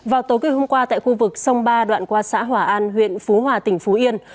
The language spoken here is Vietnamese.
vào tối hôm qua tại khu vực sông ba đoạn qua xã hỏa an huyện phú hòa tỉnh phú yên